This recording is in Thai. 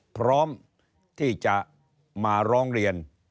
พร้อมที่จะมาร้องเรียน